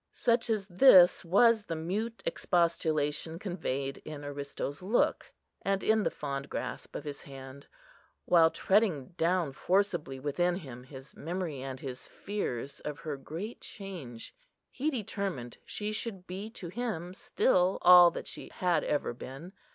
Such as this was the mute expostulation conveyed in Aristo's look, and in the fond grasp of his hand; while treading down forcibly within him his memory and his fears of her great change, he determined she should be to him still all that she had ever been.